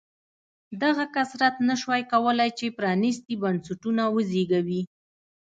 دغه کثرت نه شوای کولای چې پرانېستي بنسټونه وزېږوي.